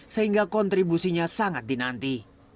sehingga kontribusinya sangat dinanti